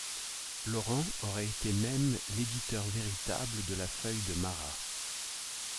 Laurent aurait été même l’éditeur véritable de la feuille de Marat.